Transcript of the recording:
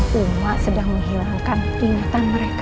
semua sedang menghilangkan ingatan mereka